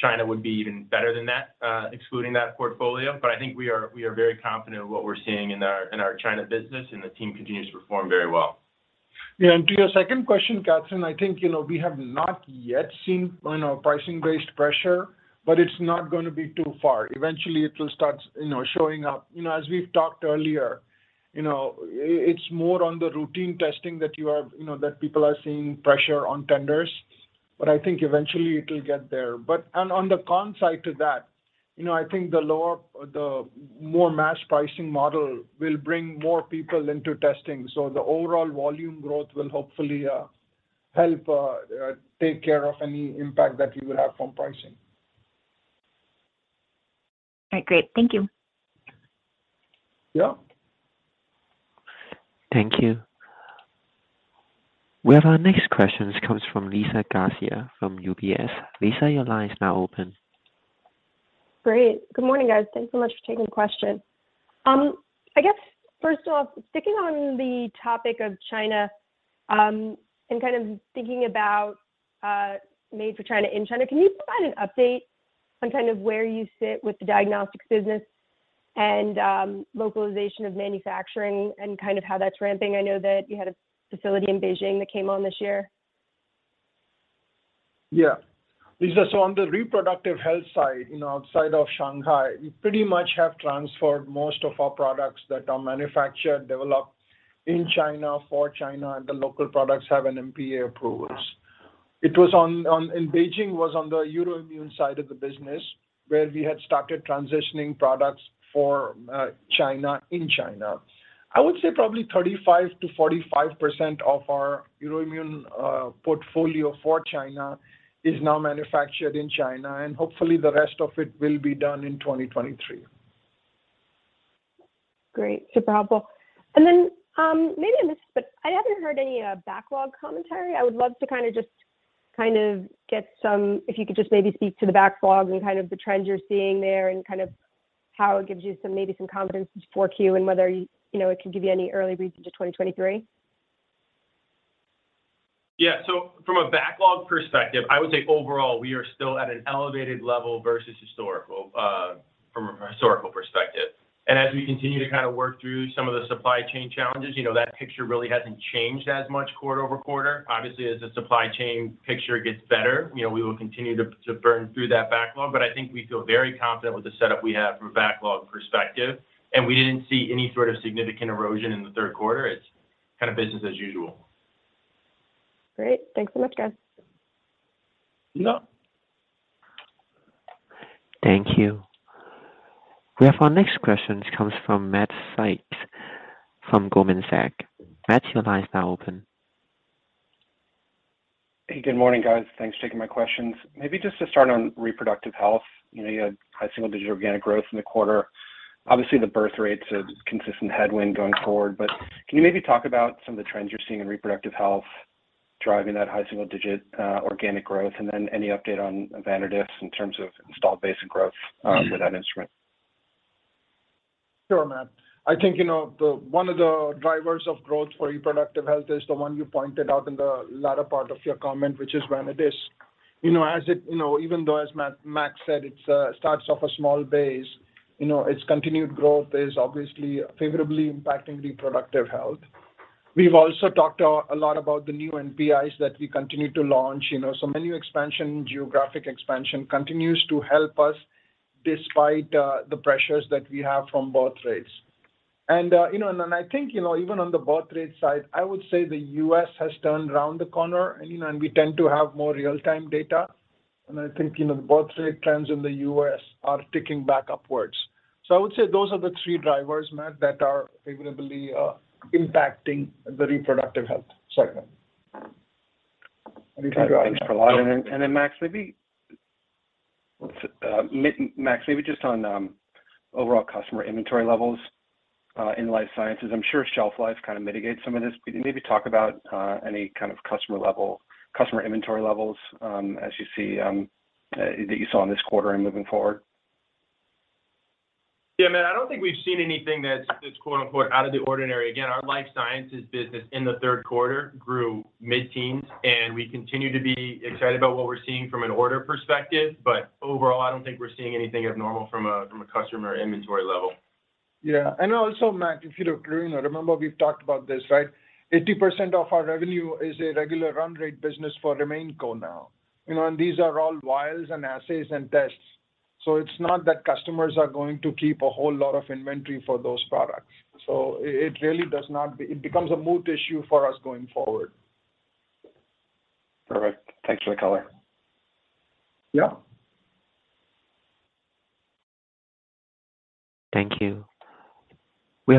China would be even better than that, excluding that portfolio. I think we are very confident in what we're seeing in our China business and the team continues to perform very well. Yeah. To your second question, Catherine, I think, you know, we have not yet seen, you know, pricing-based pressure, but it's not gonna be too far. Eventually it will start, you know, showing up. You know, as we've talked earlier, you know, it's more on the routine testing that you have, you know, that people are seeing pressure on tenders. I think eventually it'll get there. On the con side to that, you know, I think the more mass pricing model will bring more people into testing. The overall volume growth will hopefully take care of any impact that we will have from pricing. All right. Great. Thank you. Yeah. Thank you. We have our next questions comes from Liza Garcia from UBS. Liza, your line is now open. Great. Good morning, guys. Thanks so much for taking the question. I guess first off, sticking on the topic of China, and kind of thinking about made for China in China, can you provide an update on kind of where you sit with the diagnostics business and localization of manufacturing and kind of how that's ramping? I know that you had a facility in Beijing that came on this year. Yeah. Liza, on the reproductive health side, you know, outside of Shanghai, we pretty much have transferred most of our products that are manufactured, developed in China for China, and the local products have NMPA approvals. Beijing was on the EUROIMMUN side of the business where we had started transitioning products for China in China. I would say probably 35%-45% of our EUROIMMUN portfolio for China is now manufactured in China, and hopefully the rest of it will be done in 2023. Great. Super helpful. Maybe I missed, but I haven't heard any, backlog commentary. I would love to kind of just If you could just maybe speak to the backlog and kind of the trends you're seeing there and kind of how it gives you some, maybe some confidence for Q and whether, you know, it can give you any early reads into 2023. Yeah. From a backlog perspective, I would say overall, we are still at an elevated level versus historical from a historical perspective. As we continue to kind of work through some of the supply chain challenges, you know, that picture really hasn't changed as much quarter over quarter. Obviously, as the supply chain picture gets better, you know, we will continue to burn through that backlog. I think we feel very confident with the setup we have from a backlog perspective, and we didn't see any sort of significant erosion in the third quarter. It's kind of business as usual. Great. Thanks so much, guys. Yeah. Thank you. We have our next question comes from Matt Sykes from Goldman Sachs. Matt, your line is now open. Hey, good morning, guys. Thanks for taking my questions. Maybe just to start on reproductive health. You know, you had high single digit organic growth in the quarter. Obviously, the birth rate's a consistent headwind going forward. Can you maybe talk about some of the trends you're seeing in reproductive health driving that high single digit organic growth? Any update on Vanadis in terms of installed base and growth for that instrument? Sure, Matt. I think, you know, the one of the drivers of growth for reproductive health is the one you pointed out in the latter part of your comment, which is Vanadis. You know, as it, you know, even though, as Max said, it starts off a small base, you know, its continued growth is obviously favorably impacting reproductive health. We've also talked a lot about the new NPIs that we continue to launch. You know, so menu expansion, geographic expansion continues to help us despite the pressures that we have from birth rates. You know, and then I think, you know, even on the birth rate side, I would say the U.S. has turned around the corner. You know, and we tend to have more real-time data. I think, you know, the birth rate trends in the U.S. are ticking back upwards. I would say those are the three drivers, Matt, that are favorably impacting the reproductive health segment. Got it. Thanks, Prahlad. Then, Max, maybe just on overall customer inventory levels in life sciences. I'm sure shelf life kind of mitigates some of this. Could you maybe talk about any kind of customer inventory levels as you see that you saw in this quarter and moving forward? Yeah, Matt, I don't think we've seen anything that's quote-unquote out of the ordinary. Again, our life sciences business in the third quarter grew mid-teens, and we continue to be excited about what we're seeing from an order perspective. Overall, I don't think we're seeing anything abnormal from a customer inventory level. Yeah. Matt, if you look, you know, remember we've talked about this, right? 80% of our revenue is a regular run rate business for RemainCo now. You know, and these are all vials and assays and tests. It's not that customers are going to keep a whole lot of inventory for those products. It becomes a moot issue for us going forward. Perfect. Thanks for the color. Yeah. Thank you.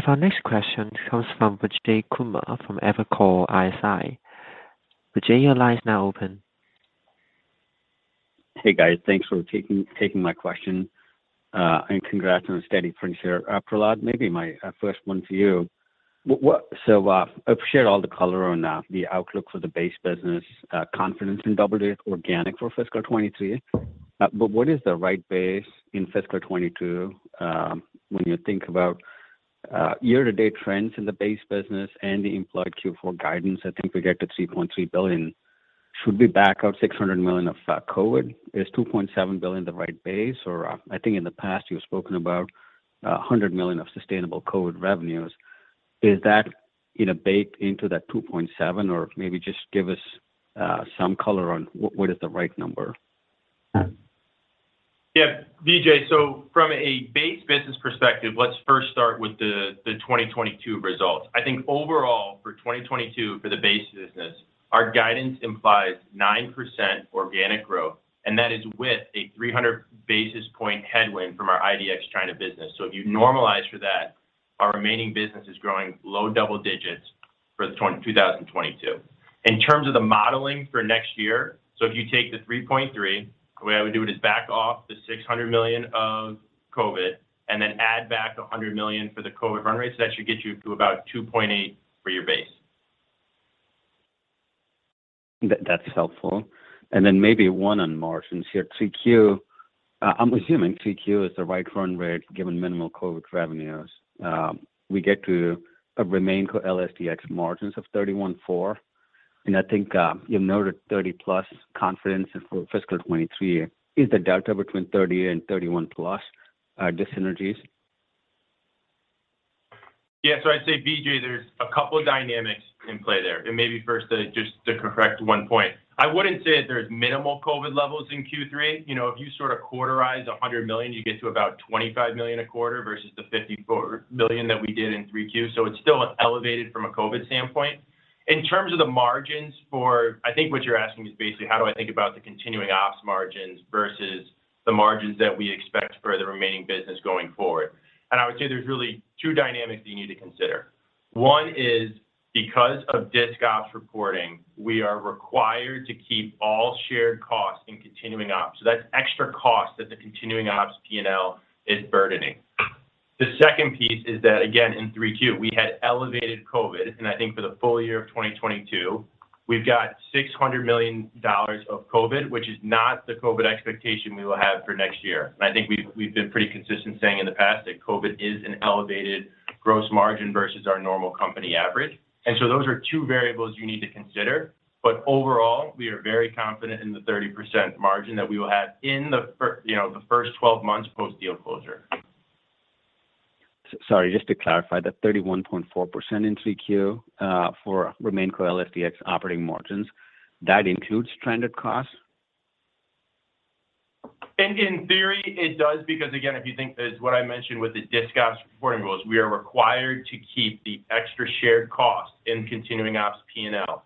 Our next question comes from Vijay Kumar from Evercore ISI. Vijay, your line is now open. Hey, guys. Thanks for taking my question. Congrats on a steady quarter. Prahlad, maybe my first one to you. Appreciate all the color on the outlook for the base business, confidence in double-digit organic for fiscal 2023. What is the right base in fiscal 2022, when you think about year-to-date trends in the base business and the implied Q4 guidance? I think we get to $3.3 billion. Should we back out $600 million of COVID? Is $2.7 billion the right base? Or, I think in the past you've spoken about $100 million of sustainable COVID revenues. Is that, you know, baked into that $2.7 billion, or maybe just give us some color on what is the right number? Yeah. Vijay, from a base business perspective, let's first start with the 2022 results. I think overall for 2022 for the base business, our guidance implies 9% organic growth, and that is with a 300 basis point headwind from our IDX China business. If you normalize for that, our remaining business is growing low double digits for 2022. In terms of the modeling for next year, if you take the 3.3, the way I would do it is back off the $600 million of COVID and then add back $100 million for the COVID run rate. That should get you to about 2.8 for your base. That's helpful. Maybe one on margins here. 3Q, I'm assuming 3Q is the right run rate given minimal COVID revenues. We get to a RemainCo LS&DX margins of 31.4%, and I think you noted 30+% confidence for fiscal 2023. Is the delta between 30 and 31+, dissynergies? Yeah. I'd say, Vijay, there's a couple of dynamics in play there. Maybe first, just to correct one point. I wouldn't say that there's minimal COVID levels in Q3. You know, if you sort of quarterize $100 million, you get to about $25 million a quarter versus the $54 million that we did in 3Q. It's still elevated from a COVID standpoint. In terms of the margins for, I think what you're asking is basically how do I think about the continuing ops margins versus the margins that we expect for the remaining business going forward. I would say there's really two dynamics that you need to consider. One is because of disc ops reporting, we are required to keep all shared costs in continuing ops. That's extra cost that the continuing ops P&L is burdening. The second piece is that, again, in 3Q, we had elevated COVID, and I think for the full year of 2022, we've got $600 million of COVID, which is not the COVID expectation we will have for next year. I think we've been pretty consistent saying in the past that COVID is an elevated gross margin versus our normal company average. Those are two variables you need to consider. Overall, we are very confident in the 30% margin that we will have in the, you know, first 12 months post-deal closure. Sorry, just to clarify, that 31.4% in 3Q for RemainCo LS&DX operating margins, that includes trended costs? In theory, it does because again, if you think about what I mentioned with the disc ops reporting rules, we are required to keep the extra shared cost in continuing ops P&L.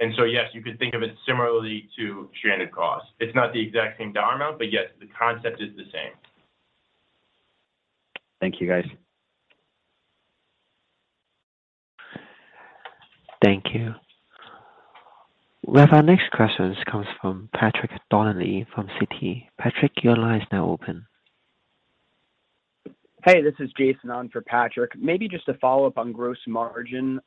Yes, you could think of it similarly to stranded costs. It's not the exact same dollar amount, but yes, the concept is the same. Thank you, guys. Thank you. We have our next question comes from Patrick Donnelly from Citi. Patrick, your line is now open. Hey, this is Jason on for Patrick. Maybe just to follow up on gross margin.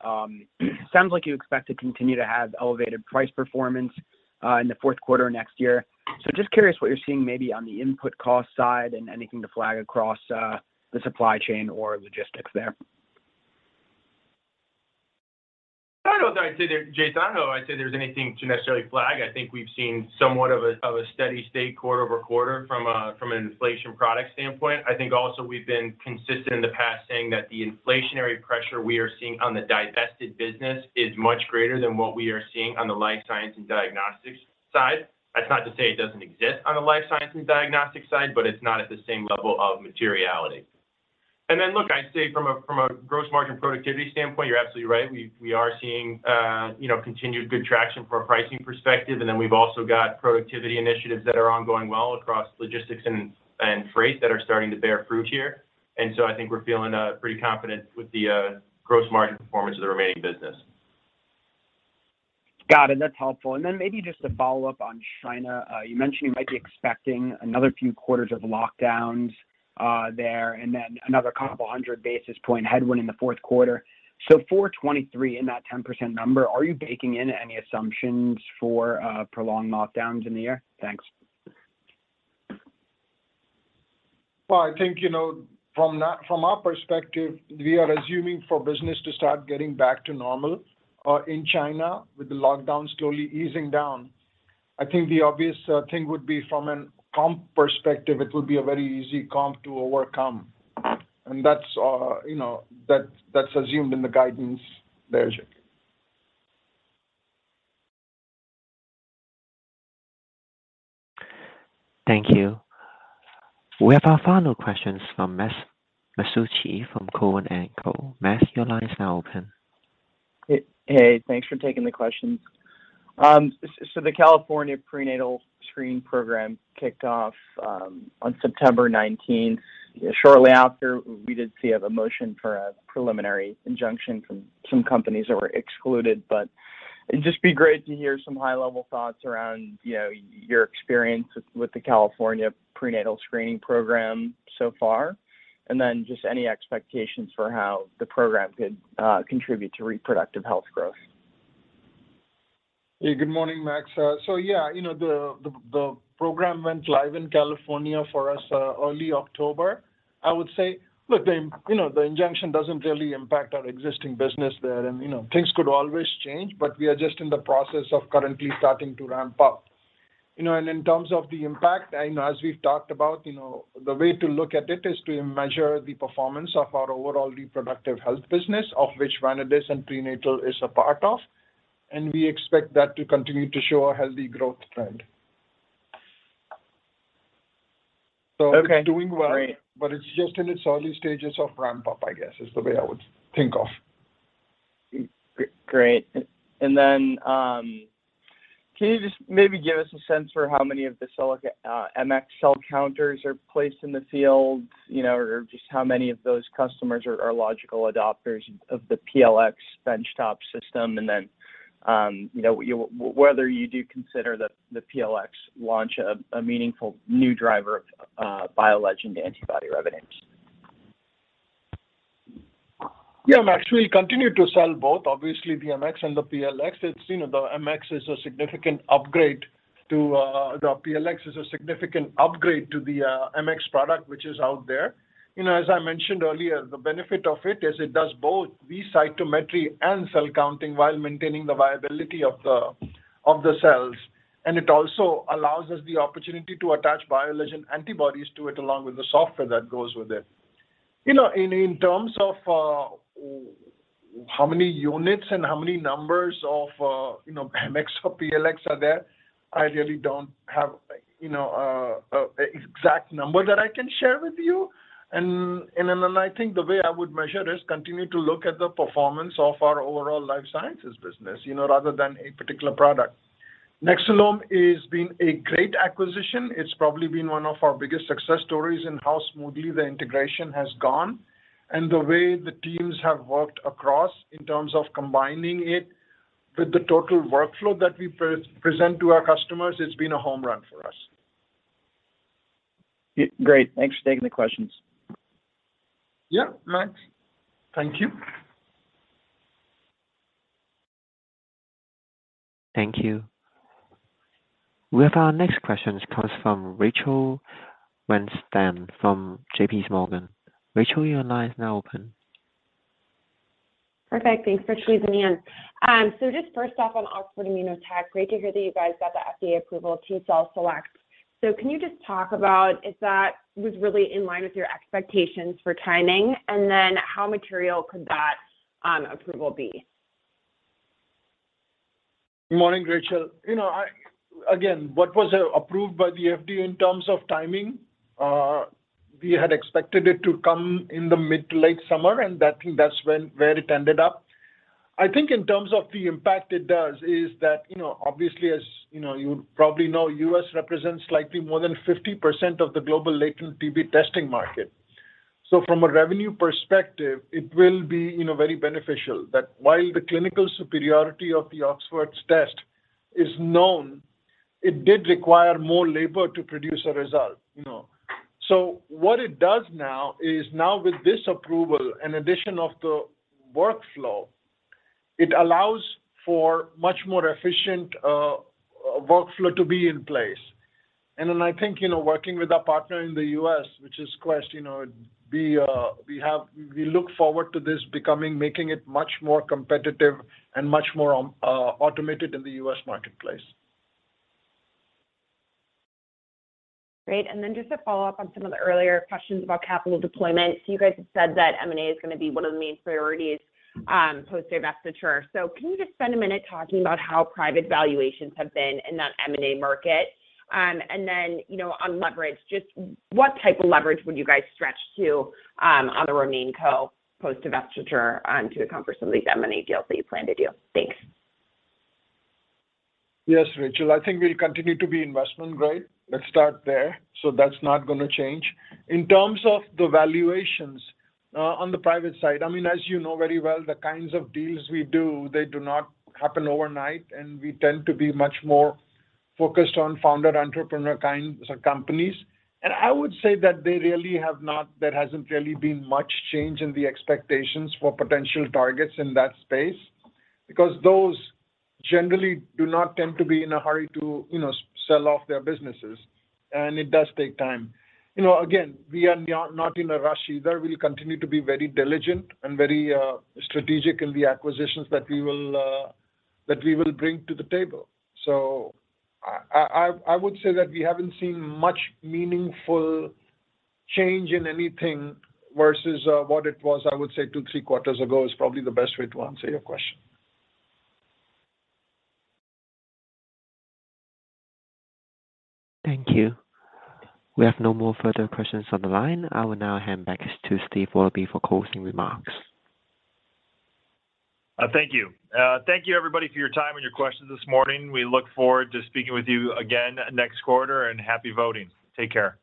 Sounds like you expect to continue to have elevated price performance in the Q4 next year. Just curious what you're seeing maybe on the input cost side and anything to flag across the supply chain or logistics there. I don't know if I'd say, Jason, there's anything to necessarily flag. I think we've seen somewhat of a steady state quarter-over-quarter from an inflation product standpoint. I think also we've been consistent in the past saying that the inflationary pressure we are seeing on the divested business is much greater than what we are seeing on the Life Sciences and Diagnostics side. That's not to say it doesn't exist on the Life Sciences and Diagnostics side, but it's not at the same level of materiality. Look, I'd say from a gross margin productivity standpoint, you're absolutely right. We are seeing you know, continued good traction from a pricing perspective. Then we've also got productivity initiatives that are ongoing well across logistics and freight that are starting to bear fruit here. I think we're feeling pretty confident with the gross margin performance of the remaining business. Got it. That's helpful. Then maybe just to follow up on China. You mentioned you might be expecting another few quarters of lockdowns there and then another 200 basis points headwind in the Q4. For 2023 in that 10% number, are you baking in any assumptions for prolonged lockdowns in the year? Thanks. Well, I think, you know, from our perspective, we are assuming for business to start getting back to normal in China with the lockdown slowly easing down. I think the obvious thing would be from a comp perspective, it would be a very easy comp to overcome. That's, you know, assumed in the guidance there, Jason. Thank you. We have our final questions from Max Masucci from Cowen. Max, your line is now open. Hey, thanks for taking the questions. The California Prenatal Screening Program kicked off on September nineteenth. Shortly after, we did see a motion for a preliminary injunction from some companies that were excluded. It'd just be great to hear some high-level thoughts around, you know, your experience with the California Prenatal Screening Program so far, and then just any expectations for how the program could contribute to reproductive health growth. Yeah, good morning, Max. So yeah, you know, the program went live in California for us early October. I would say, look, you know, the injunction doesn't really impact our existing business there. You know, things could always change, but we are just in the process of currently starting to ramp up. You know, in terms of the impact, and as we've talked about, you know, the way to look at it is to measure the performance of our overall reproductive health business of which Vanadis and prenatal is a part of, and we expect that to continue to show a healthy growth trend. Okay. Great. It's doing well, but it's just in its early stages of ramp up, I guess, is the way I would think of. Great. Then, can you just maybe give us a sense for how many of the Cellaca MX cell counters are placed in the field, you know, or just how many of those customers are logical adopters of the Cellaca PLX bench top system? Then, you know, whether you do consider the Cellaca PLX launch a meaningful new driver of BioLegend antibody revenues. Yeah, Max, we continue to sell both, obviously the MX and the PLX. It's, you know, the PLX is a significant upgrade to the MX product, which is out there. You know, as I mentioned earlier, the benefit of it is it does both imaging cytometry and cell counting while maintaining the viability of the cells. It also allows us the opportunity to attach BioLegend antibodies to it along with the software that goes with it. You know, in terms of how many units and how many numbers of you know MX or PLX are there, I really don't have, you know, exact number that I can share with you. then I think the way I would measure is continue to look at the performance of our overall life sciences business, you know, rather than a particular product. Nexcelom has been a great acquisition. It's probably been one of our biggest success stories in how smoothly the integration has gone and the way the teams have worked across in terms of combining it With the total workflow that we present to our customers, it's been a home run for us. Great. Thanks for taking the questions. Yeah, Max. Thank you. Thank you. We have our next question comes from Rachel Vatnsdal from JPMorgan. Rachel, your line is now open. Perfect. Thanks for squeezing me in. Just first off, on Oxford Immunotec, great to hear that you guys got the FDA approval of T-Cell Select. Can you just talk about if that was really in line with your expectations for timing, and then how material could that approval be? Morning, Rachel. You know, again, what was approved by the FDA in terms of timing, we had expected it to come in the mid to late summer, and that's when it ended up. I think in terms of the impact it does is that, you know, obviously, as you know, you probably know, U.S. represents slightly more than 50% of the global latent TB testing market. So from a revenue perspective, it will be, you know, very beneficial that while the clinical superiority of the Oxford's test is known, it did require more labor to produce a result, you know. So what it does now is with this approval, an addition of the workflow, it allows for much more efficient workflow to be in place. I think, you know, working with our partner in the US, which is Quest, you know, we look forward to this becoming, making it much more competitive and much more automated in the US marketplace. Great. Just to follow up on some of the earlier questions about capital deployment. You guys have said that M&A is gonna be one of the main priorities post-divestiture. Can you just spend a minute talking about how private valuations have been in that M&A market? You know, on leverage, just what type of leverage would you guys stretch to on the RemainCo post-divestiture to accomplish some of these M&A deals that you plan to do? Thanks. Yes, Rachel. I think we'll continue to be investment grade. Let's start there. That's not gonna change. In terms of the valuations, on the private side, I mean, as you know very well, the kinds of deals we do, they do not happen overnight, and we tend to be much more focused on founder, entrepreneur kinds of companies. I would say that there hasn't really been much change in the expectations for potential targets in that space because those generally do not tend to be in a hurry to, you know, sell off their businesses, and it does take time. You know, again, we are not in a rush either. We'll continue to be very diligent and very strategic in the acquisitions that we will bring to the table. I would say that we haven't seen much meaningful change in anything versus what it was 2, 3 quarters ago is probably the best way to answer your question. Thank you. We have no more further questions on the line. I will now hand back to Steve Willoughby for closing remarks. Thank you. Thank you everybody for your time and your questions this morning. We look forward to speaking with you again next quarter, and happy voting. Take care.